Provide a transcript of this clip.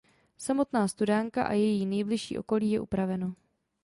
Samotná studánka a její nejbližší okolí je upraveno.